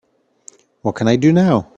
what can I do now?